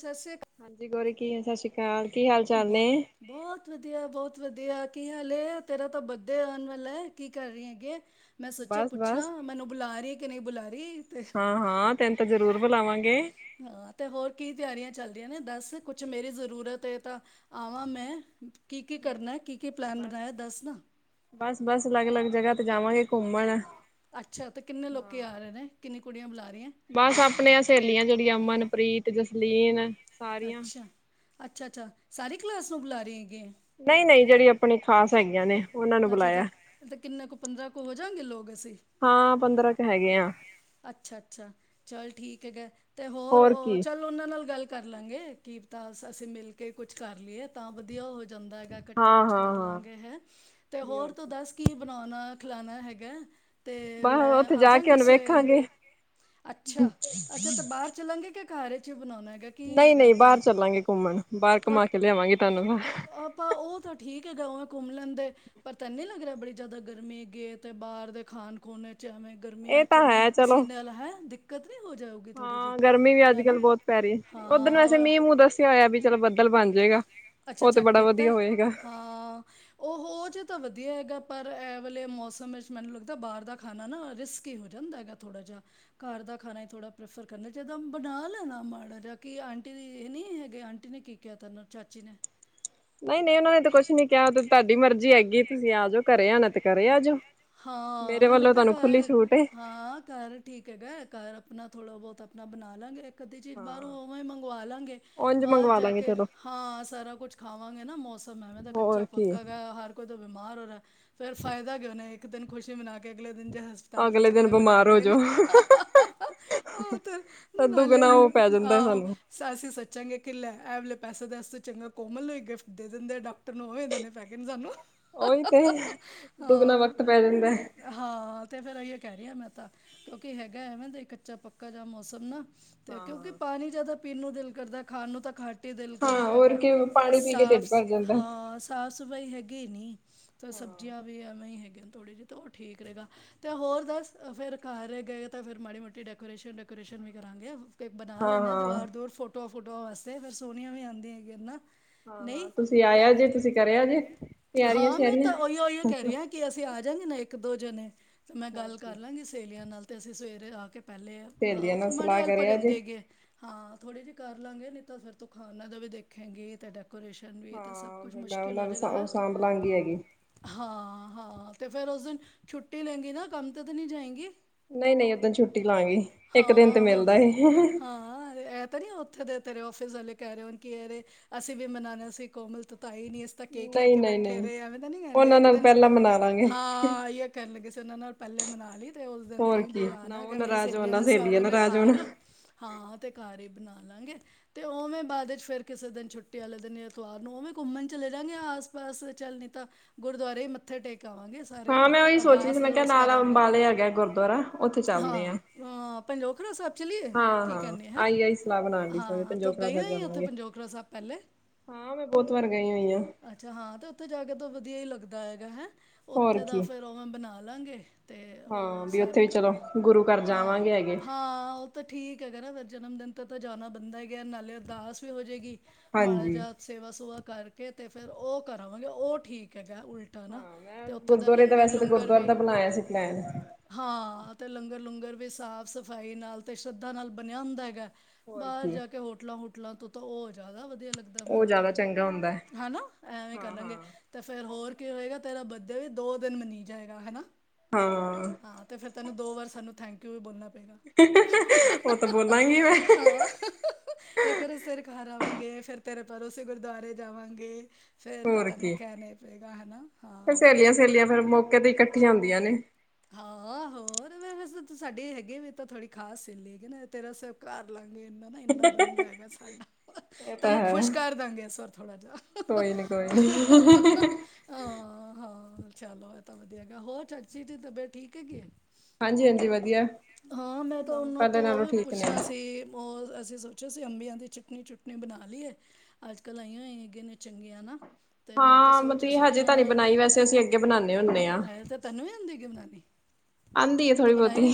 ਸ਼ ਸ਼੍ਰੀ ਕਾ ਹਾਂਜੀ, ਗੋਰੀ ਕੀ ਸ਼ ਸ਼੍ਰੀ ਕਾਲ ਕੀ ਅਕਾਲ ਹਾਲ-ਚਾਲ ਨੇ? ਬਹੁਤ ਬਹੁਤ ਵਧੀਆ-ਬਹੁਤ ਵਧੀਆ ਕੀ ਹਾਲ ਏ ਤੇਰਾ ਤਾਂ ਬੰਡੇ ਆਣ ਵਾਲਾ ਐ ਕੀ ਕਰ ਰੀ ਅੱਗੇ? ਮੈਂ ਸੋਚਿਆ ਬਸ-ਬਸ ਪੁੱਛਾਂ ਮੈਨੂੰ ਬੁਲਾ ਰੀ ਕਿ ਨਈ ਬੁਲਾ ਰੀ 'ਤੇ ਹਾਂ-ਹਾਂ ਤੈਨੂੰ ਤਾਂ ਜ਼ਰੂਰ ਬੁਲਾਵਾਂਗੇ ਹਾਂ 'ਤੇ ਹੋਰ ਕੀ ਤਿਆਰੀਆਂ ਚੱਲਰੀਆਂ ਨੇ ਦੱਸ ਕੁਛ ਮੇਰੀ ਜ਼ਰੂਰਤ ਏ ਤਾਂ ਆਵਾਂ ਮੈਂ ਕੀ-ਕੀ ਕਰਨਾ ਐ ਕੀ-ਕੀ ਪਲੈਨ ਬਸ, ਬਣਾਇਆ ਦੱਸ ਨਾ? ਬਸ-ਬਸ ਅਲੱਗ-ਅਲੱਗ ਜਗ੍ਹਾ 'ਤੇ ਜਾਵਾਂਗੇ ਘੁੰਮਣ। ਅੱਛਾ 'ਤੇ ਕਿੰਨੇ ਲੋਕੀ ਹਾਂ ਆ ਰਹੇ ਨੇ ਕਿੰਨੀ ਕੁੜੀਆਂ ਬੁਲਾ ਰੀ ਏ? ਸੇਲੀਆਂ ਜਿਹੜੀਆਂ ਅਮਨਪ੍ਰੀਤ, ਜਸਲੀਨ ਸਾਰੀਆਂ ਅੱਛਾ, ਅੱਛਾ-ਅੱਛਾ ਸਾਰੀ ਕਲਾਸ ਨੂੰ ਬੁਲਾ ਰੇ ਐਗੇ? ਨਈ-ਨਈ ਜਿਹੜੀ ਆਪਣੀ ਖ਼ਾਸ ਹੈਗੀਆਂ ਨੇ ਉਹਨਾਂ ਨੂੰ ਅੱਛਾ ਤਾਂ ਬੁਲਾਇਆ। ਤਾਂ ਕਿੰਨੇ ਕੁ ਪੰਦਰਾਂ ਕੁ ਹੋ ਜਾਣਗੇ ਲੋਕ ਅਸੀਂ ਹਾਂ, ਪੰਦਰਾਂ ਕ ਹੈਗੇ ਆ। ਅੱਛਾ-ਅੱਛਾ ਚੱਲ ਠੀਕ ਹੈਗਾ, 'ਤੇ ਹੋਰ ਉਹ ਚੱਲ ਉਹਨਾਂ ਨਾਲ ਗੱਲ ਕਰ ਲਾਂਗੇ ਕਿ ਪਤਾ ਅਸ ਅਸੀਂ ਮਿਲ ਕੇ ਕੁਛ ਕਰ ਲੀਏ ਤਾਂ ਵਧੀਆ ਹੋ ਜਾਂਦਾ ਹੈਗਾ। ਕੱਠੇ ਕੁਛ ਕਰ ਹਾਂ-ਹਾਂ-ਹਾਂ ਲਾਂਗੇ ਹੈ। 'ਤੇ ਹੋਰ ਤੂੰ ਦੱਸ ਕੀ ਬਣਾਣਾ ਖਲਾਣਾ ਹੈਗਾ? 'ਤੇ ਬਸ ਮੈਂ ਉੱਥੇ ਆ ਜਾ ਕੇ ਜਾਂਗੀ ਹੁਣ ਸਵੇਰ, ਵੇਖਾਂਗੇ ਅੱਛਾ-ਅੱਛਾ ਤੇ ਬਾਰ ਚੱਲਾਗੇ ਕੇ ਘਾਰ ਇਚ ਬਣਾਣਾ ਹੈਗਾ। ਕੀ ਹੈਗਾ ਨਈ-ਨਈ ਬਾਹਰ ਪਲੈਨ ਚੱਲਾਂਗੇ, ਘੁੰਮਣ ਬਾਹਰ ਘੁੰਮਾ ਕੇ ਲਿਆਵਾਂਗੇ ਤੁਹਾਨੂੰ। ਪਾਂ ਉਹ ਤਾਂ ਠੀਕ ਏ ਗਵਾਂ ਘੁੰਮ ਲੈਂਦੇ। ਪਰ ਤੈਨੂੰ ਨੀ ਲੱਗ ਰਿਹਾ, ਬੜੀ ਜ਼ਿਆਦਾ ਗਰਮੀ ਏਗੀ 'ਤੇ ਬਾਹਰ ਦੇ ਖਾਣ ਖੂਨ ਵਿਚ ਐਵੇਂ ਇਹ ਗਰਮੀਆਂ 'ਚ ਤਾਂ ਹੈ ਚਲੋ ਪਸੀਨੇ ਆਲਾ ਹੈ, ਦਿੱਕਤ ਨੀ ਹੋ ਜਾਉ। ਹਾਂ, ਗਰਮੀ ਵੀ ਅੱਜ-ਕੱਲ੍ਹ ਬੋਅ ਪੈਰੀ ਏ ਉਧਨ ਹਾਂ ਵੈਸੇ ਉਹ- ਮੀਹ ਮੂੰਹ ਦੱਸਿਆ ਹੋਇਆ ਵੀ ਚਲੋ ਬੱਦਲ ਬਣ ਜੇਗਾ। ਅੱਛਾ ਉਹ 'ਤੇ ਚੈੱਕ ਬੜਾ ਕੀਤਾ ਵਧੀਆ ਹੈ? ਹੋਏਗਾ। ਹਾਂ। ਉਹ ਹੋਜੇ ਤਾਂ ਵਧੀਆ ਹੈਗਾ। ਪਰ ਐ ਵਾਲੇ ਮੌਸਮ ਵਿੱਚ ਮੈਨੂੰ ਲੱਗਦਾ ਬਾਹਰ ਦਾ ਖਾਣਾ ਨਾ ਰਿਸਕੀ ਹੋ ਜਾਂਦਾ ਐਗਾ। ਥੋੜਾ ਜਿਹਾ ਘਰ ਦਾ ਖਾਣਾ ਏ ਥੋੜਾ ਪ੍ਰੈਫਰ ਕਰਨਾ, ਜਾਈਦਾ ਬਣਾ ਲੈਣਾ ਮਾੜਾ ਜਾ ਕੀ ਆਂਟੀ ਦੀ ਇਹ ਨੀ ਹੈਗੇ ਆਂਟੀ ਨੇ ਕੀ ਕਿਹਾ ਤੈਨੂੰ ਚਾਚੀ ਨੇ? ਨਈ-ਨਈ ਉਹਨਾਂ ਨੇ ਤਾਂ ਕੁਛ ਨੀ ਕਿਹਾ ਉਹ ਤੇ ਤਾਹਡੀ ਮਰਜ਼ੀ ਹੈਗੀ ਤੁਸੀਂ ਆ ਜੋ ਘਰੇ ਆ ਨਾ 'ਤੇ ਘਰੇ ਆ ਜੋ। ਹਾਂ, ਮੈਨੂੰ ਲੱਗਦਾ ਐ ਘਰ, ਹਾਂ ਘਰ ਠੀਕ ਹੈਗਾ ਐ ਘਰ ਆਪਣਾ ਥੋੜ੍ਹਾ ਬਹੁਤ ਆਪਣਾ ਬਣਾ ਲਾਂਗੇ ਇੱਕ ਅੱਧੀ ਚੀਜ਼ ਬਾਹਰੋਂ ਹਾਂ ਉਵਾਂ ਈ ਮੰਗਵਾ ਲਾਂਗੇ। ਉਝ ਬਾਹਰ ਮੰਗਵਾ ਜਾ ਲਾਂਗੇ ਕੇ ਚਲੋ ਹਾਂ ਸਾਰਾ ਕੁਛ ਖਾਵਾਂਗੇ ਨਾ ਮੌਸਮ ਐਵੇਂ ਦਾ ਹੋਰ ਕੀ ਕੱਚਾ-ਪੱਕਾ ਹੈਗਾ ਹਰ ਕੋਈ ਤੇ ਬਮਾਰ ਹੋ ਰਿਆ ਫੇਰ ਫਾਈਦਾ ਕਿਉ ਨਾ ਇੱਕ ਦਿਨ ਖੁਸ਼ੀ ਮਨਾ ਕੇ ਅਗਲੇ ਦਿਨ ਜੇ ਹਸ ਪਤਾਲ ਦੇ ਅਗਲੇ ਦਿਨ ਚੱਕਰ ਲਗਾਣੇ ਬਿਮਾਰ ਹੋ ਹੈਗੇ ਨੇ ਹਾ ਹਾ ਜਾਓ ਹਾ ਹਾ ਆਹੋ 'ਤੇ ਨਾਲੇ ਦੁੱਗਣਾ ਫੇਰ ਉਹ ਪੈ ਜਾਂਦਾ ਆਹ ਸਾਨੂੰ ਸਾ ਅਸੀਂ ਸੋਚਾਂਗੇ ਕਿ ਲੈ ਐ‌ ਵਾਲੇ ਪੈਸੇ ਤਾਂ ਇਸ ਤੋਂ ਚੰਗਾ ਕੋਮਲ ਨੂੰ ਈ ਗਿਫਟ ਦੇ ਦਿੰਦੇ ਡਾਕਟਰ ਨੂੰ ਉਵੇਂ ਦੇਣੇ ਪੈ ਗੇ ਨੇ ਸਾਨੂੰ। ਉਈ 'ਤੇ ਦੁੱਗਣਾ ਹਾਂ ਵਕਤ ਪੈ ਜਾਂਦਾ ਐ। ਹਾਂ 'ਤੇ ਫੇਰ ਏਈਯੋ ਕਹਿ ਰੀ ਆ ਮੈਂ ਤਾਂ ਕਿਉਂਕਿ ਹੈਗਾ ਐਵੇਂ ਦਾ ਈ ਕੱਚਾ-ਪੱਕਾ ਜਿਹਾ ਮੌਸਮ ਨਾ। 'ਤੇ ਕਿਉਂਕਿ ਹਾਂ ਪਾਣੀ ਜ਼ਿਆਦਾ ਪੀਣ ਨੂੰ ਦਿਲ ਕਰਦੈ ਖਾਣ ਨੂੰ ਤਾਂ ਘੱਟ ਈ ਦਿਲ ਹਾਂ ਕਰਦਾ ਹੋਰ ਹੈਗਾ ਕੀ 'ਤੇ ਪਾਣੀ ਪੀ ਕੇ ਢਿੱਡ ਸਾਫਸ ਭਰ ਜਾਂਦਾ ਹਾਂ ਸਾਫ ਸਫਾਈ ਹੈਗੀ ਨੀ ਤਾਂ ਹਾਂ ਸਬਜ਼ੀਆਂ ਵੀ ਐਵੇਂ ਈ ਹੈਗੀਆਂ ਥੋੜ੍ਹੀ ਜੇ ਤੋਂ ਉਹ ਠੀਕ ਰਹੇਗਾ। ਅਤੇ ਹੋਰ ਦੱਸ ਫਿਰ ਘਰ ਗਏ ਤਾਂ ਫਿਰ ਮਾੜੀ ਮੋਟੀ ਡੈਕੋਰੇਸ਼ਨ ਡੈਕੋਰੇਸ਼ਨ ਵੀ ਕਰਾਂਗੇ ਬਣਾ ਲੈਂਦੇ ਹਾਂ ਦੀਵਾਰ ਦੂਵੁਰ ਫੋਟੋਆਂ ਫੋਟੋਆਂ ਵਾਸਤੇ ਫਿਰ ਸੋਹਣੀਆਂ ਵੀ ਆਉਂਦੀਆਂ ਹੇਗੀ ਨਾਂ ਹਾਂ-ਹਾਂ ਨਹੀਂ ਤੁਸੀਂ ਤੇ ਆਇਆ ਜੇ ਤੁਸੀਂ ਕਰਿਆ ਜੇ ਤਿਆਰੀਆਂ ਹਾਂ ਮੈਂ ਸ਼ਿਆਰੀਆਂ ਤਾਂ ਉਹੀਓ ਉਹੀਓ ਕਹਿ ਰਿਹੀ ਹਾਂ ਕੀ ਅਸੀਂ ਆ ਜਾਂਗੇ ਨਾ ਇੱਕ ਦੋ ਜਣੇ ਤੇ ਮੈਂ ਹੋਰ ਗੱਲ ਕੀ ਕਰ ਲਾਂਗੀ ਸਹੇਲੀਆਂ ਨਾਲ ਤੇ ਅਸੀਂ ਸਵੇਰੇ ਆ ਕੇ ਪਹਿਲੇ ਹਾ ਸਹੇਲੀਆਂ ਓ ਨਾਲ ਮਾੜੀ ਸਲਾਹ ਹੇਲਪ ਹੋ ਕਰਿਆ ਜੇ ਜਾਂਦੀ ਹੇਗੀ ਏ ਹਾਂ ਥੋੜ੍ਹੇ ਜਿਹੀ ਕਰ ਲਾਂਗੇ ਨਹੀਂ ਤਾਂ ਫਿਰ ਤੂੰ ਖਾਨਾ ਦਾ ਵੀ ਦੇਖੇਗੀ ਤੇ ਡੈਕ ਡੇਕੋਰੇਸ਼ਨ ਵੀ ਤਾਂ ਸਭ ਹਾਂ ਕੁਛ ਫਿਰ ਮੈਂ ਮੁਸ਼ਕਿਲ ਉਹਨਾਂ ਹੋ ਜਏਗਾ ਦਾ ਉਹ ਹੈ ਸਾਂਭ ਲਾਂਗੀ ਹੈਗੀ ਹਾਂ ਹਾਂ ਤੇ ਫਿਰ ਉਸ ਦਿਨ ਛੁੱਟੀ ਲੈਂਗੀ ਨਾ ਕੰਮ ਤੇ ਤਾਂ ਨਹੀਂ ਜਾਏਗੀ ਨਹੀਂ-ਨਹੀਂ ਓਦਣ ਛੁੱਟੀ ਲਾਂਗੀ ਇੱਕ ਦਿਨ ਤੇ ਹਾਂ ਹੋ ਮਿਲਦਾ ਏ ਹਾਂ ਐ ਤੇ ਨਹੀਂ ਓ ਉੱਥੇ ਦੇ ਤੇਰੇ ਆਫਿਸ ਵਾਲੇ ਕਹਿ ਰਹੇ ਹੋਣ ਕਿ ਅਰੇ ਅਸੀਂ ਵੀ ਮਨਾਣਾ ਸੀ ਕੋਮਲ ਤੂੰ ਤਾਂ ਆਂਈ ਨਹੀਂ ਤਾਂ ਕੇਕ ਲੈ ਕੇ ਬੈਠੇ ਨਹੀਂ-ਨਹੀਂ-ਨਹੀਂ ਰਹੇ ਐਵੇਂ ਤਾਂ ਨਹੀਂ ਕਹਿਣਗੇ ਉਹਨਾਂ ਇੱਕ ਨਾਲ ਦਿਨ ਪਹਿਲਾਂ ਮਨਾ ਲਾਂਗੇ ਹਾਂ ਇਹੀਓ ਕਹਿਣ ਲੱਗੀ ਸੀ ਉਹਨਾਂ ਨਾਲ ਪਹਿਲੇ ਮਨਾ ਲਈ ਤੇ ਉਸ ਦਿਨ ਹੋਰ ਕਹੀ ਕੀ ਬਈ ਨਾ ਆਨਾ ਉਹ ਹੈਗਾ ਮੇਰੀ ਨਾਰਾਜ਼ ਹੋਣ ਸਹੇਲੀਆਂ ਨਾ ਨੇ ਸਾਰਿਆਂ ਨੇ ਨਾਰਾਜ਼ ਹੋਣ ਘਰ ਹਾਂ ਤੇ ਘਰ ਹੀ ਬਣਾ ਲਾਂਗੇ ਤੇ ਉਹਵੇੈਂ ਬਾਅਦ ਚ' ਫਿਰ ਕਿਸੇ ਦਿਨ ਛੁੱਟੀ ਆਲੇ ਦਿਨ ਐਤਵਾਰ ਨੂੰ ਉਹਵੇਂ ਘੁੰਮਣ ਚਲੇ ਜਾਵਾਂਗੇ ਆਸ ਪਾਸ ਚੱਲ ਨਹੀਂ ਤਾਂ ਗੁਰੂਦੁਆਰੇ ਵੀ ਮੱਥੇ ਟੇਕ ਆਵਾਂਗੇ ਸਾਰੇ ਹਾਂ ਮੈਂ ਉਹੀ ਸੋਚ ਰਹੀ ਸੀ ਅਰਦਾਸ ਮੈਂ ਕਿਹਾ ਅਰਦੂਸ ਨਾਲ ਕਰਾਂਗੇ ਅੰਬਾਲੇ ਹੈਗਾ ਗੁਰਦੁਆਰਾ ਉੱਥੇ ਹਾਂ ਚੱਲਦੇ ਆ ਹਾਂ ਪੰਜੋਖਰਾ ਸਾਹਿਬ ਚਲੀਏ? ਕੀ ਹਾਂ-ਹਾਂ ਕਹਨੀ ਹੈਂ ਆਈ-ਆਈ ਸਲਾਹ ਬਣਾਣ ਡਈ ਸੀ ਹਾਂ ਤੂੰ ਪੰਜੋਖਰਾ ਗਈ ਹੋ ਸਾਹਿਬ ਹੀ ਉੱਥੇ ਜਾਵਾਂਗੇ ਪੰਜੋਖਰਾ ਸਾਹਿਬ ਪਹਿਲੇ ਹਾਂ ਮੈਂ ਬਹੁਤ ਵਾਰ ਗਈ ਹੋਈ ਹਾਂ ਅੱਛਾ ਹਾਂ ਤੇ ਉੱਥੇ ਜਾ ਕੇ ਤਾਂ ਵਧੀਆ ਹੀ ਲੱਗਦਾ ਹੈਗਾ ਹੈਂ ਹੋਰ ਉੱਥੇ ਦਾ ਕੀ ਫਿਰ ਉਹਵੇਂ ਬਣਾ ਲਾਂਗੇ ਤੇ ਹਾਂ ਉਹ ਵੀ ਉੱਥੇ ਸਾਰੇ ਵੀ ਚਲੋ ਘਰ ਗੁਰੂ ਘਰ ਹਾਂ ਜਾਵਾਂਗੇ ਹੈਗੇ। ਹਾਂ ਓ ਤਾਂ ਠੀਕ ਹੈਗਾ ਨਾ ਫਿਰ ਜਨਮ ਦਿਨ ਤੇ ਤਾਂ ਜਾਣਾ ਬਣਦਾ ਹੈਗਾ ਨਾਲੇ ਅਰਦਾਸ ਵੀ ਹੋ ਜਾਏਗੀ ਮਾੜਾ ਹਾਂਜੀ। ਜਿਹਾ ਸੇਵਾ ਸੂਵਾ ਕਰਕੇ ਤੇ ਫਿਰ ਉਹ ਕਰ ਆਵਾਂਗੇ ਉਹ ਠੀਕ ਹੈਗਾ ਉਲਟ ਹਾਂ ਮੈਂ ਗੁਰੂਦੁਆਰੇ ਦਾ ਵੈਸੇ ਤਾਂ ਗੁਰੂਦੁਆਰੇ ਦਾ ਵੀ ਬਣਾਇਆ ਸੀ ਪਲੈਨ ਹਾਂ ਤੇ ਲੰਗਰ ਲੂੰਗਰ ਵੀ ਸਾਫ਼ ਸਫ਼ਾਈ ਨਾਲ ਤੇ ਸ਼ਰਧਾ ਨਾਲ ਬਣਿਆ ਹੁੰਦਾ ਹੈਗਾ ਹੋਰ ਬਾਹਰ ਕੀ। ਜਾ ਕੇ ਹੋਟਲਾਂ ਹੋਟਲਾਂ ਤੋਂ ਤਾਂ ਓਹ ਜਾਦਾ ਵਧੀ ਵਧੀਆ ਲੱਗਦਾ ਉਹ ਮੈਨੂੰ ਤਾਂ ਜ਼ਿਆਦਾ ਚੰਗਾ ਹੁੰਦਾ ਹੈ ਹੈਨਾ ਐਵੇਂ ਕਰ ਹਾਂ ਲਾਂਗੇ ਹਾਂ। ਤੇ ਫਿਰ ਹੋਰ ਕੀ ਹੋਏਗਾ ਤੇਰਾ ਬਰਡੇ ਵੀ ਦੋ ਦਿਨ ਮਨੀ ਜਾਏਗਾ ਹੈਨਾ ਹਾਂ ਹਾਂ ਫਿਰ ਤੈਨੂੰ ਦੋ ਵਾਰ ਸਾਨੂੰ ਥੈਂਕ ਥੈਂਕ ਯੂ ਵੀ ਬੋਲਣਾ ਪਏਗਾ ਹਾ ਉਹ ਤਾਂ ਬੋਲਾਂਗੀ ਮੈਂ ਹਾ ਹਾ ਹਾ ਹਾਂ ਹਾ ਹਾ ਹਾ ਇੱਕ ਵਾਰੀ ਅਸੀਂ ਤੇਰੇ ਘਰ ਆਵਾਂਗੇ ਫਿਰ ਤੇਰੇ ਭਰੋਸੇ ਗੁਰੂਦੁਆਰੇ ਜਾਵਾਂਗੇ ਫਿਰ ਤਾਂ ਹੋਰ ਤੈਨੂੰ ਕੀ। ਕਹਿਣਾ ਹੀ ਪਏਗਾ ਹੈਨਾ ਫਿਰ ਹਾਂ ਸਹੇਲੀਆਂ ਸਹੇਲੀਆਂ ਫਿਰ ਮੌਕੇ ਤੇ ਹੀ ਇਕੱਠੀਆਂ ਹੁੰਦੀਆਂ ਨੇ ਹਾਂ ਹੋਰ ਵੈੈਸੇ ਤੂੰ ਸਾਡੇ ਹੈਗੇ ਵੀ ਤਾਂ ਥੋੜ੍ਹੀ ਖਾਸ ਸਹੇਲੀ ਹੇਗੀ ਨਾ ਤੇਰਾ ਸਭ ਕਰ ਲਵਾਂਗੇ। ਇੰਨਾ ਨਾ, ਇੰਨਾ ਬੰਦਾ ਹੈਗਾ ਸਾਡਾ ਇਹ ਤਾਂ ਤੈਨੂੰ ਹੈ। ਖੁਸ਼ ਕਰ ਦਾਂਗੇ। ਇਸ ਵਾਰ ਥੋੜਾ ਜਿਹਾ ਕੋਈ ਨੀ ਕੋਈ ਨੀ [unintelligible] ਹਾਂ, ਹਾਂ ਚਲੋ ਇਹ ਤਾਂ, ਵਧੀਆ ਹੋਰ ਚਾਚੀ ਦੀ, ਤਬੀਅਤ ਠੀਕ ਹੈਗੀ। ਹਾਂਜੀ ਹਾਂਜੀ ਵਧੀਆ। ਹਾਂ ਮੈਂ, ਤਾਂ ਉਹਨਾਂ ਪਹਿਲੇ ਤੋਂ ਉਹ ਨਾਲੋਂ ਵੀ, ਠੀਕ ਨੇ ਪੁੱਛਣਾ ਸੀ। ਹੋਰਅਸੀਂ ਸੋਚਿਆ ਸੀ। ਅੰਬੀਆਂ ਦੀ ਚਟਨੀ-ਚੁਟਨੀ ਬਣਾ ਲਈ ਏ, ਅੱਜ-ਕੱਲ ਆਈਆਂ ਹੈਗਿਆਂ ਨੇ ਚੰਗੀਆਂ ਨਾ! ਤੇ ਮੈਂ, ਤਾਂ ਹਾਂ ਸੋਚ ਮਤਲਬ ਸੀ ਕਿ ਹਜੇ ਉਹਨਾਂ ਤਾਂ ਨੀ ਨਾਲ ਬਣਾਈ ਵੈਸੇ ਅਸੀਂ ਅੱਗੇ ਬਣਾਉਦੇ ਹੁੰਦੇ ਹਾਂ। ਤਾਂ ਤੈਨੂੰ ਹੀ, ਹੁੰਦੀ ਬਣਾ ਆਉਂਦੀ ਹੈ ਤੇ ਥੋੜ੍ਹੀ ਬਣਾਈ ਬਹੁਤੀ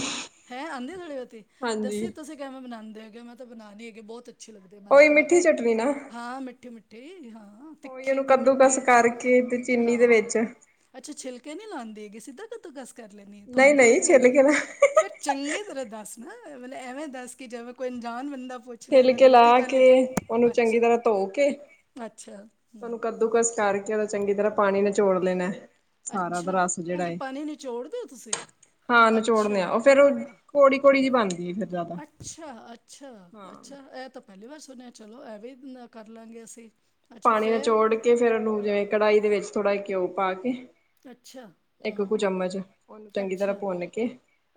ਹੈਂ। ਆਉਂਦੀ ਥੋੜੀ ਬਹੁਤੀ ਦੱਸੀ ਤੂੰ ਹਾਂਜੀ। ਤੁਸੀਂ ਕਿਵੇਂ ਬਨਾਉਦੇ ਹੈਗੇ ਮੈਂ ਤਾਂ ਬਣਾਣੀ ਹੈਗੀ ਅੱਗੇ ਬਹੁਤ ਅੱਛੀ ਲੱਗਦੇ ਮੈਨੂੰ ਉਹੀ ਤਾਂ, ਨਾ ਮਿੱਠੀ ਤੇ, ਚਟਨੀ ਨਾ ਹਾਂ ਮਿੱਠੀ-ਮਿੱਠੇ ਹਾਂ ਤਿੱਖੀ ਤੇ, ਕਦੂਕਸ ਮਿੱਠੀ ਕਰਕੇ ਤੇ ਚੀਨੀ ਹਾਂ ਦੇ ਵਿੱਚ, ਅੱਛਾ ਛਿੱਲਕੇ ਨਹੀਂ ਲਾਉਂਦੀ ਹੈਗੀ। ਸਿੱਧਾ ਕੱਦੁਕਸ ਕਰ ਲੈਣੀ ਨਹੀਂ ਧੋਂਂਦੇ ਵੀ, ਨਹੀਂ ਨੀ ਹੈਗੇ ਛਿੱਲਕੇ ਲਾ ਫਿਰ ਚੰਗੀ ਤਰ੍ਹਾਂ ਦੱਸ ਨਾ, ਐਵੇਂ ਦੱਸ ਕੇ ਜਿਵੇ ਕੋਈ ਅਣਜਾਨ ਬੰਦਾ। ਪੁੱਛ ਰਿਹਾ ਹੈਗਾ ਛਿਲਕੇ ਗਲਤੀ ਲਾ, ਕਰ ਲਈ ਕੇ ਤੇ ਉਹਨੂੰ ਚੰਗੀ ਅੱਛਾ ਤਰ੍ਹਾਂ ਧੋ, ਕੇ ਅੱਛਾ ਹੂੰ ਓਨੂੰ ਕੱਦੂਕਸ ਕਰਕੇ ਉਹਦਾ ਚੰਗੀ ਤਰ੍ਹਾਂ ਪਾਣੀ ਨਚੋੜ ਲੈਣਾ। ਸਾਰਾ ਦਾ ਅੱਛਾ ਰਸ ਜਿਹੜਾ ਅਜੇ ਏ ਪਾਣੀ ਨਿਚੋੜ ਦਿਓ ਤੁਸੀਂ ਹਾਂ ਨਚੋੜਦੇ ਅੱਛਾ ਆ। ਉਹ ਫੇਰ ਕੋੜੀ-ਕੋੜੀ ਜਹੀ ਬਣਦੀ ਆ ਫਿਰ ਜ਼ਿਆਦਾ ਹਾਂ ਅੱਛਾ-ਅੱਛਾ-ਅੱਛਾ ਇਹ ਤਾਂ, ਪਹਿਲੀ ਵਾਰ ਸੁਣਿਆ ਚਲੋ ਇਹ ਵੀ, ਕਰ ਲਾਂਗੇ ਅਸੀਂ ਅੱਛਾ ਪਾਣੀ ਫੇਰ ਨਚੋੜ ਕੇ, ਫਿਰ ਉਹਨੂੰ ਹੂੰ ਜਿਵੇਂ ਕੜਾਹੀ ਦੇ, ਵਿੱਚ ਥੋੜ੍ਹਾ ਘਿਓ ਪਾ ਕੇ, ਅੱਛਾ ਇੱਕ ਕੁ ਹੂੰ ਚਮਚ ਉਹਨੂੰ ਚੰਗੀ ਤਰ੍ਹਾਂ ਅੱਛਾ ਭੁੰਨ ਕੇ,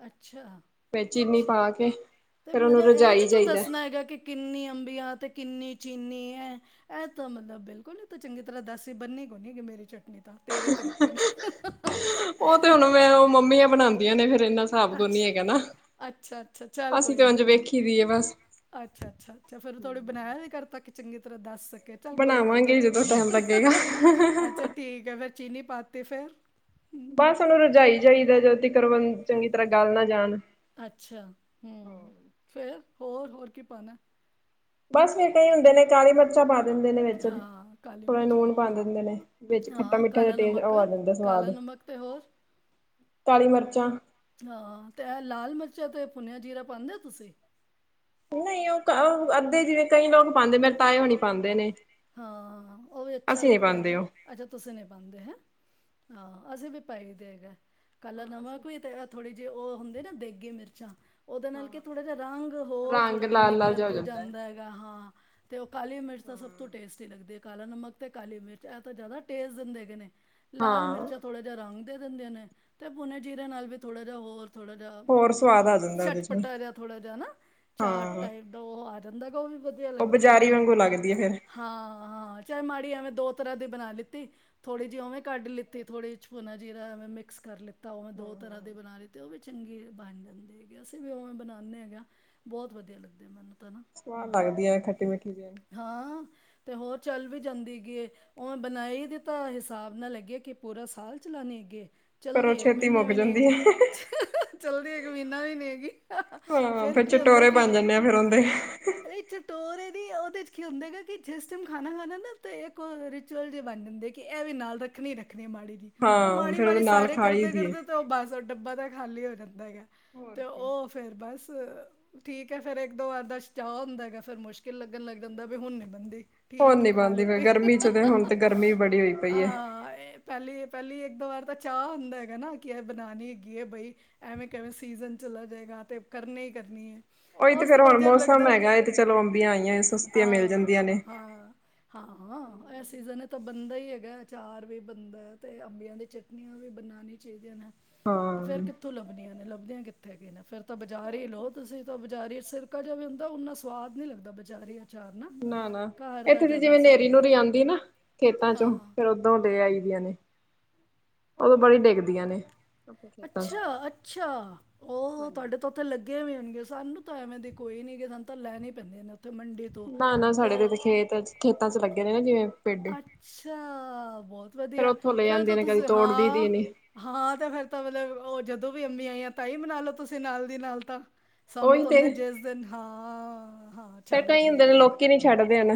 ਅੱਛਾ ਫਿਰ ਚੀਨੀ ਅੱਛਾ ਪਾ, ਕੇ ਤੇ ਉਹਨੂੰ ਮਤਲਬ ਇਹ ਨੀ ਰਜਾਈ ਤੂੰ ਜਾਈਦਾ ਦੱਸਣਾ ਹੈਗਾ। ਕਿ ਕਿੰਨੀ ਅੰਬੀਆਂ ਤੇ, ਕਿੰਨੀ ਚੀਨੀ ਹੈ ਇਹ ਤਾਂ, ਮਤਲਬ ਬਿਲਕੁਲ ਹੀ ਤਾਂ ਚੰ, ਗੀ ਤਰ੍ਹਾਂ ਦਸ ਹੀ ਬਣਨੀ ਕੋਨੀਗੀ ਮੇਰੀ ਚਟਨੀ ਤਾਂ ਤੇਰੇ ਤਰੀਕੇ ਨਾ ਉਹ ਤੇ ਹੁਣ ਮੈਂ, ਉਹ ਮੰਮੀਆਂ ਬਣਾਉਂਦੀਆਂ ਨੇ, ਫਿਰ ਇਨਾ ਹਿਸਾਬ ਕੋ ਕੋਈ ਨੀ ਹੈਗਾ। ਨਹੀਂ ਹੈਗਾ ਨਾ ਅੱਛਾ-ਅੱਛਾ ਚੱਲ ਅਸੀਂ ਤੇ, ਕੋਈ ਨੀ। ਉੰਝ ਵੇਖੀ ਦੀ ਹੈ ਬਸ ਅੱਛਾ-ਅੱਛਾ-ਅੱਛਾ ਫਿਰ ਥੋੜੇ ਬਣਾਇਆ ਘਰ ਤੱਕ ਚੰਗੀ ਤਰ੍ਹਾਂ ਦੱਸ ਚੱਲ ਕੋਈ ਗੱਲ ਨੀ ਬਣਾਵਾਂਗੇ ਜਦੋਂ ਟਾਈਮ ਲੱਗੇਗਾ। ਅੱਜ ਠੀਕ ਚੀਨੀ ਪਾਤੀ ਫਿਰ ਹੂੰ ਬਸ ਹੁਣ ਰਜਾਈ ਜਾਈਦਾ ਜਦ ਤੀਕਰ ਚੰਗੀ ਤਰਾਂ ਗੱਲ ਨਾ, ਜਾਣ ਅੱਛਾ ਹੂੰ ਫੇਰ ਹੋਰ, ਹੋਰ ਕੀ ਪਾਉਣਾ ਬਸ ਫਿਰ ਕਈ ਹੁੰਦੇ ਨੇ, ਕਾਲੀ ਮਿਰਚਾਂ ਪਾ, ਦਿੰਦੇ ਨੇ ਵਿੱਚ ਹਾਂ ਕਾਲੀ ਥੋੜ੍ਹਾ ਮਿਰਚਾਂ ਲੂਣ ਪਾ ਹੋਰ ਦਿੰਦੇ ਨੇ, ਵਿੱਚ ਖੱਟਾ ਹਾਂ ਮਿੱਠਾ ਜਿਹਾ ਕਾਲਾ ਟੇਸਟ ਨਮਕ ਉਹ ਆ ਜਾਂਦਾ ਕਾਲਾ ਸਵਾਦ। ਨਮਕ ਤੇ ਹੋਰ ਕਾਲੀ ਮਿਰਚਾਂ ਹਾਂ ਅਤੇ ਇਹ ਲਾਲ ਮਿਰਚਾਂ ਅਤੇ, ਭੁੰਨਿਆ ਜੀਰਾ ਪਾਉਂਦੇ ਹੋ ਤੁਸੀਂ ਨਹੀਂ ਉਹ ਅੱਧੇ ਜਿਵੇਂ ਕਈ ਲੋਕ ਪਾਉਂਦੇ ਮੇਰੇ ਤਾਏ ਹੋਣੀ ਪਾਉਂਦੇ ਨੇ, ਹਾਂ ਉਹ ਵੀ ਅੱਛਾ ਅਸੀਂ ਨੀ ਲੱਗਦਾ ਪਾਉਂਦੇ ਹੈਗਾ ਉਹ। ਅੱਛਾ ਤੁਸੀਂ ਨੀ ਪਾਉਂਦੇ ਹੈ ਹਹ ਅਸੀਂ ਵੀ ਪਾਈ ਦੇ ਹੈਗਾ ਕੱਲਰ ਨਵਾ ਵੀ ਤੇ ਥੋੜ੍ਹੇ ਜਿਹੇ ਉਹ ਹੁੰਦੇ ਨਾ, ਦੇਗੇ ਮਿਰਚਾਂ ਉਹਦੇ ਨਾਲ ਕਿ ਥੋੜ੍ਹਾ ਜਿਹਾ ਰੰਗ ਹੋਰ ਰੰਗ ਥੋੜ੍ਹਾ ਜਿਹਾ ਲਾਲ ਲਾਲ ਨਿਖਰ ਹੋ ਜੋ, ਹੈ ਜਾਂਦਾ ਹੈਗਾ ਹਾਂ! ਉਹ ਕਾਲੀ ਮਿਰਚ ਤਾਂ ਸਭ ਟੇਸਟ ਦਿੰਦੇ ਹੈ ਕਾਲਾ ਨਮਕ ਤੇ, ਕਾਲੀ ਮਿਰਚ ਇਹ ਤਾਂ ਜ਼ਿਆਦਾ ਟੇਸਟ ਦਿੰਦੇ ਗ ਨੇ ਲਾਲ ਹਾਂ ਮਿਰਚਾਂ ਥੋੜੇ ਰੰਗ ਦੇ ਦਿੰਦੇ ਨੇ ਤੇ, ਪੁੂਣੇੇ ਜੀਰੇ ਨਾਲ ਵੀ ਥੋੜਾ ਜਿਹਾ ਹੋਰ ਥੋੜਾ ਜਾ ਹੋਰ ਸਵਾਦ ਆ ਜਾਂਦਾ ਉਹਦੇ ਚਟ ਚ ਵੀ, ਪਟਾ ਜਾ ਥੋੜਾ ਜਿਹਾ ਨਾ ਚਾਟ ਹਾਂ ਟਾਈਪ ਉਹ ਆ ਜਾਂਦਾ ਗਾ, ਉਹ ਵੀ ਵਧੀਆ ਉਹ ਲੱਗਦੇ ਹੈਗੇ ਬਜ਼ਾਰੀ ਆ। ਵਾਂਗੂ ਲੱਗਦੀ ਆ ਫ਼ਿਰ। ਹਾਂਅ, ਚਾਹੇ ਮਾੜੀ ਐਵੇਂ ਦੋ ਤਰਾਂ ਦੀ ਬਣਾ ਲਿੱਤੀ। ਥੋੜੀ ਜਿਹੀ ਉਵੇਂ ਕੱਢ ਲਿੱਤੀ, ਥੋੜੀ ਜ ਛੁਨਾ ਜੀਰਾ ਐਵੇਂ ਮਿਕਸ ਕਰ ਲਿੱਤਾ ਓਵੇਂ ਦੋ ਤਰ੍ਹਾਂ ਦੇ ਬਣਾ ਲੀ ਤੇ ਉਵੀ ਚੰਗੀ ਬਣ ਜਾਂਦੇਂ ਹੈਗੇ, ਅਸੀਂ ਵੀ ਉਵੇਂ ਬਣਾਨੇ ਹੈਗੇ ਆ, ਬਹੁਤ ਵਧੀਆਂ ਲੱਗਦੇ ਮੈਨੂੰ ਤਾਂ ਨਾ ਸਵਾਦ ਹੂੰ ਲੱਗਦੀ ਐ ਏ ਖੱਟੀ ਮਿੱਠੀ ਜੀਅ ਹਾਂ, ਤੇ ਹੋਰ ਚੱਲ ਵੀ ਜਾਂਦੀ ਗੀ ਏ ਉਹ ਬਣਾਈ ਦੀ ਤਾਂ ਹਿਸਾਬ ਨਾਲ ਲੱਗੇ ਕਿ ਪੂਰਾ ਸਾਲ ਚਲਾਣੇ ਅੱਗੇ ਪਰ ਉਹ ਚੱਲਦੀ ਇੱਕ ਛੇਤੀ ਮਹੀਨਾਂ ਮੁੱਕ ਵੀ ਨੀ ਜਾਂਦੀ ਹੈਗੀ, ਹੈ ਚਲਦੀ ਇੱਕ ਮਹੀਨਾਂ ਵੀ ਨੀ ਹੈਗੀ। ਹਾਂ ਫੇਰ ਕੀ ਹੁੰਦਾ ਚਟੋਰੇ ਕੀ, ਬਣ ਜਾਂਦੇ ਆ ਫੇਰ ਉਹਦੇ ਨਹੀ ਚਟੋਰੇ ਨੀ ਉਹਦੇ ਚ ਕੀ ਹੁੰਦੇ ਹੈਗਾ ਕਿ ਜਿਸ ਟੈਮ ਖਾਣਾਂ -ਖਾਣਾਂ ਨਾ ਤੇ ਇੱਕ ਰਿਚੁਅਲ ਜੇ ਬਣ ਜਾਂਦੇ ਕਿ ਇਹ ਵੀ ਨਾਲ ਰੱਖਣੀ- ਰੱਖਣੀ ਮਾੜੀ ਉਹ ਹਾਂ ਮਾੜੀ- ਫੇਰ ਉਹਦੇ ਮਾੜੀ ਨਾਲ ਸਾਰੇ ਖਾ ਲਈ ਕਰਦੇ- ਦੀਏ ਕਰਦੇ ਤੇ ਉਹ ਬਸ ਉਹ ਡੱਬਾ ਤਾਂ ਖਾਲੀ ਹੋ ਜਾਂਦਾ ਹੈਗਾ ਹੋਰ ਤੇ ਕੀ ਓ ਫਿਰ ਬਸ ਠੀਕ ਹੈ, ਫਿਰ ਇੱਕ ਦੋ ਵਾਰ ਦਾ ਚਾਅ ਹੁੰਦਾ ਹੈਗਾ ਫਿਰ ਮੁਸ਼ਕਿਲ ਲੱਗਣ ਲੱਗ ਜਾਂਦਾ ਵੀ ਹੁਣ ਨੀ ਬਣਦੀ, ਹੁਣ ਠੀਕ ਏ ਨੀ ਖਾਂ ਬਣਦੀ ਫੇਰ ਲਿੱਤੀ ਗਰਮੀ ਚ ਤੇ ਹੁਣ ਤੇ ਗਰਮੀ ਬੜੀ ਹੋਈ ਪਈ ਹੈ ਪਹਿਲੀ- ਪਹਿਲੀ ਇੱਕ ਦੋ ਵਾਰ ਦਾ ਚਾਅ ਹੁੰਦਾ ਹੈਗਾ ਨਾ ਕਿ ਇਹਂ ਬਣਾਣੀ ਹੈਗੀ ਏ ਬਈ ਐਵੇਂ ਕਿਵੇਂ ਸੀਜ਼ਨ ਚਲਾ ਜਾਏਗਾ ਤੇ ਕਰਨੀ ਹੀ ਕਰਨੀ ਐ। ਉਹੀ ਤੇ ਫੇਰ ਹੁਣ ਮੌਸਮ ਹੈਗਾ ਤੇ ਚਲੋ ਅੰਬੀਆਂ ਆਈਆਂ ਸਸਤੀਆਂ ਮਿਲ ਜਾਂਦੀਆਂ ਨੇ ਹਾਂ। ਹਾਂ- ਹਾਂ ਇਹ ਸੀਜ਼ਨ ਤਾਂ ਬਣਦਾ ਹੀ ਹੈਗਾ, ਅਚਾਰ ਵੀ ਬਣਦਾ ਤੇ ਅੰਬੀਆਂ ਦੀ ਚ ਨੀਆਂ ਵੀ ਬਣਾਨੀ ਚਾਹੀਦੀਆਂ ਨੇ ਹਾਂ ਤੇ ਫੇਰ ਕਿੱਥੋਂ ਲੱਭਣੀਆਂ ਨੇ ਲੱਭਦੀਆਂ ਕਿੱਥੇ ਕਿ ਨੇ ਫੇਰ ਤਾਂ ਬਾਜ਼ਾਰ ਹੀ ਲਓ ਤੁਸੀਂ ਬਾਜ਼ਾਰੀ ਸਿਰਕਾ ਜੋ ਵੀ ਹੁੰਦਾ ਓਨਾਂ ਸਵਾਦ ਨੀ ਲੱਗਦਾ ਬਜ਼ਾਰੀ ਅਚਾਰ ਨਾ -ਨਾ ਘਰ ਦਾ ਏਥੇ ਤੇ ਜ਼ਿਆਦਾ ਜਿਵੇਂ ਸਵਾਦ ਨੇਰੀ ਲੱਗਦਾ ਨੂਰੀ ਆਉਂਦੀ ਨਾ ਖੇਤਾਂ ਚੋਂ ਹਾਂ ਫਰ ਉਦੋਂ ਦੇ ਆਈ ਦੀਆਂ ਨੇ ਉਦੋਂ ਬੜੀ ਡਿੱਗਦੀਆਂ ਨੇ ਆਪਣੇ ਖੇਤਾਂ ਚ ਅੱਛਾ -ਅੱਛਾ, ਓ ਹੋ ਤੁਹਾਡੇ ਉੱਥੇ ਲੱਗੀਆਂ ਵੀ ਹੋਣਗੀਆਂ, ਸਾਨੂੰ ਤਾਂ ਐਵੇਂ ਦੀ ਕੋਈ ਨੀ ਸਾਨੂੰ ਤਾਂ ਲੈਂਣੇ ਹੀ ਪੈਂਦੀਆਂ ਨੇ ਉੱਥੇ ਮੰਡੀ ਤੋ ਨਾ- ਨਾ ਸਾਡੇ ਤੇ ਖੇਤ ਖੇਤਾਂ ਚ ਲੱਗੇ ਨੇ ਨਾ ਜਿਵੇਂ ਪੇਡੇ ਅੱਛਾ, ਬਹੁਤ ਫੇਰ ਵਧੀਆ ਉੱਥੋਂ ਲੈ ਫੇਰ ਤਾਂ ਜਾਂਦੀਆਂ ਨੇ ਕਦੀ ਤੁਸੀਂ ਤੋੜਦੀ ਹਾਂ ਦੀ ਨੇ ਹਾਂ ਤੇ ਫੇਰ ਤਾਂ ਮਤਲਬ ਉਹ ਜਦੋਂ ਵੀ ਅੰਬੀਆਂ ਆਈਆਂ ਤਾਂ ਹੀ ਬਨਾ ਲਓ ਤੁਸੀਂ ਨਾਲ ਦੀ ਨਾਲ ਤਾਂ ਸਾਨੂੰ ਉਹੀ ਤਾਂ ਤੇ ਹੁੰਦਾਂ, ਜਿਸ ਦਿਨ ਹਾਂ- ਹਾਂ- ਖੇਤਾਂ ਚਲੋ ਚ ਹੁੰਦੇ ਨੇ ਠੀਕ ਹੈ ਲੋਕੀ ਨੀ ਛੱਡਦੇ ਨਾ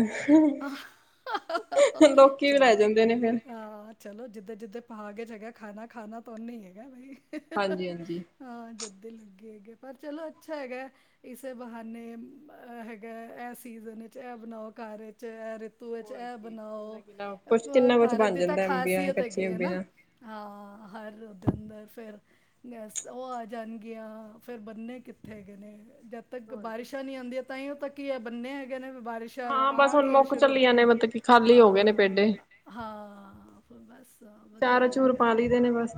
ਲੋਕੀ ਵੀ ਲੈ ਚਲੋ ਜਾਂਦੇ ਨੇ ਫਿਰ ਹਾਂ ਚਲੋ ਜਿੱਦਾਂ- ਜਿੱਦੇ ਭਾਂਗ ਚ ਹੈਗਾ ਖਾਣਾਂ- ਖਾਣਾਂ ਤਾਂ ਉਹਨੇ ਹੀ ਹੈਗਾ ਬਈ ਹਾਂਜੀ ਹਾਂਜੀ ਹਾਂ ਜੱਦੇ ਲੱਗੇ ਹੈਗੇ, ਪਰ ਚਲੋ ਅੱਛਾ ਹੈਗਾ। ਇਸੇ ਬਹਾਨੇ ਅਹ ਹੈਗਾ ਐਹ ਸੀਜ਼ਨ ਵਿੱਚ ਐਹ ਬਣਾਓ ਘਰ ਵਿੱਚ ਐ ਪੂਹੇ ਚ ਹੋਰ ਐਹ ਕੀ ਕਿੰਨਾ ਬਣਾਓ, ਕਿੰਨਾ ਕੁਛ ਅ ਕਿੰਨਾ ਕੁਛ ਭਾਰਤ ਬਣ ਦੀ ਤਾਂ ਜਾਂਦਾ ਅੰਬੀਆਂ ਖਾਸੀਅਤ ਹੈਗੀ ਕੱਚੇ ਐ ਅੰਬੀ ਨਾ ਨਾਲ ਹਾਂ, ਹਰ ਓ ਦਿੰਦੇ ਫਿਰ ਗੈਸ ਓ ਆ ਜਾਣਗੀਆਂ, ਫਿਰ ਬੰਨਣੇ ਕਿੱਥੇ ਹੈਗੇ ਨੇ ਜਦ ਤੱਕ ਹੋਰ ਕੀ ਬਾਰਿਸ਼ਾਂ ਨੀ ਆਂਦੀਆਂ ਤਾਹੀਓ ਤੱਕ ਹੀ ਐਹ ਬੰਨਣੇ ਹੈਗੇ ਨੇ ਵੀ ਬਾਰਿਸ਼ ਹਾਂ। ਬਸ ਹੁਣ ਮੁੱਕ ਚੱਲੀਆਂ ਨੇ ਮੱਤ ਕੀ ਖਾਲੀ ਹੋ ਗਏ ਨੇ ਹਾਂ ਪੇਡੇ, ਹਾਂ ਫਿਰ ਬਸ ਚਾਰ ਵਧੀਆ ਅਚੂਰ ਹੈਗਾ ਪਾ ਲੀ ਦੇ ਨੇ ਬਸ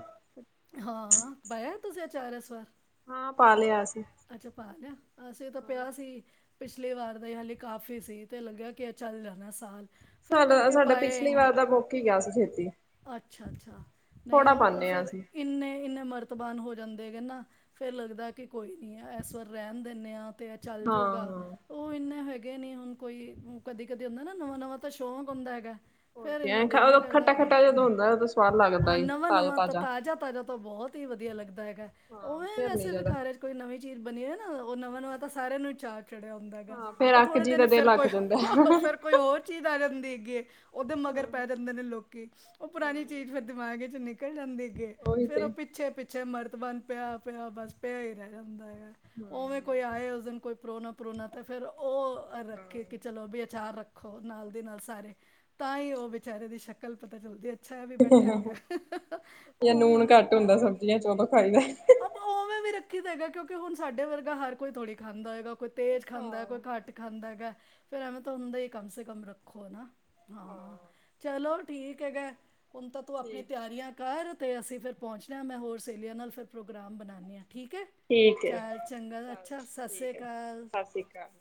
ਹਾਂ, ਪਾਇਆਂ ਤੁਸੀ ਅਚਾਰ ਇਸ ਵਾਰ ਹਾਂ ਪਾ ਲ਼ਿਆ ਅਸੀ ਅੱਛਾ ਪਾ ਲਿਆ। ਅਸੀਂ ਤਾਂ ਪਿਆ ਸੀ। ਪਿਛਲੀ ਵਾਰ ਦਾ ਇਹ ਹਾਲੇ ਕਾਫੀ ਸੀ। ਤੇ ਲੱਗਿਆ ਕਿ ਇਹ ਚੱਲ ਜਾਣਾ ਸਾਲ। ਫੇਰ ਸਾਡਾ ਕਰਕੇ ਸਾਡਾ ਪਾਏ ਪਿਛਲੀ ਨੀ। ਵਾਰ ਦਾ ਮੁੱਕ ਹੀ ਗਿਆ ਸੀ ਛੇਤੀ ਅੱਛਾ ਅੱਛਾ। ਨਹੀਂ ਥੋੜਾ ਉਹ ਪਾਨੇ ਆ ਫੇਿਰ ਅਸੀਂ ਇੰਨੇ ਇੰਨੇ ਮਰਤਬਾਨ ਹੋ ਜਾਂਦੇ ਗ ਨਾ। ਫੇਿਰ ਲੱਗਦਾ ਕਿ ਕੋਈ ਨੀ ਇਸ ਵਾਰ ਰਹਿਣ ਦਿੰਦੇ ਹਾਂ ਤੇ। ਇਹ ਚੱਲ ਹਾਂ ਜੂਗਾ। ਹਾਂ ਉਹ ਇੰਨੇ ਹੈਗੇ ਨੀ ਹੁਣ ਕੋਈ ਕਦੀ ਕਦੇ ਹੁੰਦਾ ਨਾ ਨਵਾਂ ਨਵਾਂ ਤਾਂ ਸ਼ੌਂਕ ਹੁੰਦਾ ਹੈਗਾ। ਹੋਰ ਫੇਰ ਕੀ ਐ ਇੰਨਾ ਦਿਲ ਨੀ ਕਰਦਾ ਖੱਟਾ ਖਾਂਣ। ਖੱਟਾ ਜਦੋਂ ਹੁੰਦਾ ਉਦੋਂ ਸਵਾਦ ਲੱਗਦਾ ਆਹ ਏ ਨਵਾਂ ਤਾਜ਼ਾ ਨਵਾਂ ਤਾਂ ਤਾਜ਼ਾ ਤਾਜ਼ਾ ਤਾਂ ਬਹੁਤ ਹੀ ਵਧੀਆ ਲੱਗਦਾ ਹੈਗਾ ਹਾਂ ਉਵੇਂ ਫੇਰ ਨੀ ਵੈਸੇ ਜਿਆਦਾ ਵੀਖ ਕੋਈ ਨਵੀਂ ਚੀਜ਼ ਬਣੀ ਹੈ। ਨਾ ਉਹ ਨਵਾਂ ਨਵਾਂ ਤਾਂ ਸਾਰਿਆਂ ਨੂੰ ਚਾਰਅ ਚੜਿਆ ਹੁੰਦਾ ਹੈਗਾ ਹਾਂ ਫੇਰ ਉਹ ਅੱਕ ਥੋੜੇ ਜੀ ਦਾ ਦਿਨ ਫ਼ਿਰ ਦਿਲ ਅੱਕ ਕੋਈ ਜਾਂਦਾ ਹਾਂ ਫ਼ਿਰ ਕੋਈ ਹੋਰ- ਚੀਜ਼ ਆ ਜਾਂਦੀ ਹੈਗੀ ਉਹਦੇ ਮਗਰ ਪੈ ਜਾਂਦੇ ਨੇ ਲੋਕੀ ਉਹ ਪੁਰਾਣੀ ਚੀਜ਼ ਫਿਰ ਦਿਮਾਗ ਚ ਨਿਕਲ ਜਾਂਦੀ ਗ। ਉਹੀ ਫੇਰ ਤੇ ਉਹ ਹੂੰ ਪਿੱਛੇ-ਪਿੱਛੇ। ਪਿੱਛੇ ਮਰਤਬਾਨ ਪਿਆ, ਪਿਆ ਬਸ ਪਿਆ ਹੀ ਰਹਿ ਜਾਂਦਾ ਹੈਗਾ। ਉਵੇਂ ਕੋਈ ਆਏ ਉਸ ਦਿਨ। ਕੋਈ ਪ੍ਰੋਣਾ ਪਰੂਣਾ ਤੇ ਫਿਰ ਉਹ ਰੱਖੇ ਹਾਂ ਕਿ ਚਲੋ ਵੀ ਆਚਾਰ ਰੱਖ। ਰੋ ਨਾਲ ਦੀ ਨਾਲ ਸਾਰੇ, ਤਾਂ ਹੀ ਉਹ ਵਿਚਾਰੇ ਦੀ ਸ਼ਕਲ ਪਤਾ ਚੱਲਦੀ ਹੈ। ਅੱਛਾ ਐ ਵੀ ਬੈਠਾ ਗਿਆ। ਉਵੇਂ ਹੁਣ। ਟ ਹੁੰਦਾ ਸਬਜ਼ੀਆਂ ਚ ਉਦੋਂ ਖਾਈਦਾ। ਆਪਾਂ ਉਵੇਂ ਵੀ ਰੱਖੀ ਦਾ ਹੈਗਾ ਕਿਉਂਕਿ ਹੁਣ ਸਾਡੇ ਵਰਗਾ ਹਰ ਕੋ ਥੋੜੀ ਖਾਂਦਾ ਹੈਗਾ ਕੋਈ। ਤੇਜ਼ ਖਾਂਦਾ ਕੋਈ ਹਾਂ ਘੱਟ ਖਾਂਦਾ ਗਾ। ਫਿਰ ਐਵੇਂ ਤਾਂ ਹੁੰਦਾ ਹੀ ਕਮ ਸੇ ਕਮ ਰੱਖੋ ਨਾ ਹਾਂ, ਚਲੋ ਠੀਕ ਹੈਗਾ। ਹੁਣ ਤਾਂ ਤੂੰ ਆਪਣੀ ਠੀਕ ਤਿਆਰੀਆਂ ਕਰ, ਅਤੇ ਅਸੀਂ ਫਿਰ। ਪਹੁੰਚਣਾ ਮੈਂ ਹੋਰ ਸਹੇਲੀਆਂ ਨਾਲ ਫਿਰ ਪ੍ਰੋਗਰਾਮ ਬਣਾਉਂਦੀ ਹਾਂ ਠੀਕ ਹੈ। ਠੀਕ ਐ ਚਾਲ ਚੰਗਾ। ਚੱਲ ਅੱਛਾ ਸਤਿ ਸ੍ਰੀ ਠੀਕ ਐ ਅਕਾਲ। ਸਤਿ ਸ੍ਰੀ ਅਕਾਲ